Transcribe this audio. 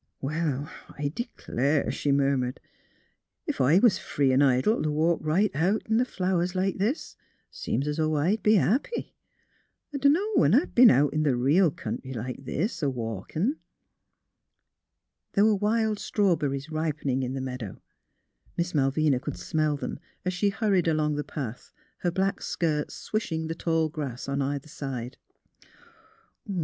'^ Well, I d'clare," she murmured. " Ef I was free 'n' idle t' walk right out in th' flowers like this, seems 's 'o' I'd be happy. I dunno when I've b'en out in th' reel country like this, a walkin'." There were wild strawberries ripening in the meadow; Miss Malvina could smell them, as shei hurried along the path, her black skirts swishing the tall grass on either side.